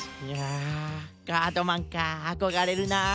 いやガードマンかあこがれるな。